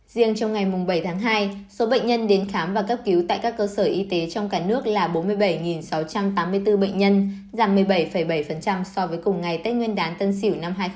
riêng trong ngày bảy tháng hai số bệnh nhân đến khám và cấp cứu tại các cơ sở y tế trong cả nước là bốn mươi bảy sáu trăm tám mươi bốn bệnh nhân giảm một mươi bảy bảy so với cùng ngày tết nguyên đán tân sửu năm hai nghìn hai mươi hai